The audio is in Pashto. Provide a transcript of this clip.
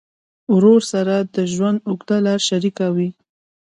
ورور سره د ژوند اوږده لار شریکه وي.